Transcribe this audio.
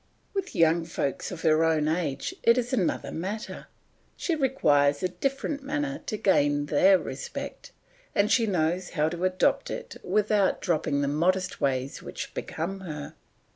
With young folks of her own age it is another matter; she requires a different manner to gain their respect, and she knows how to adopt it without dropping the modest ways which become her.